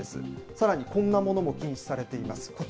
さらにこんなものも禁止されています。